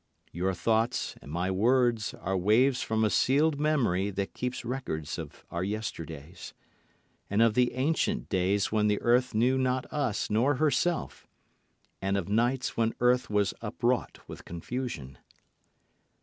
Your thoughts and my words are waves from a sealed memory that keeps records of our yesterdays, And of the ancient days when the earth knew not us nor herself, And of nights when earth was up wrought with confusion.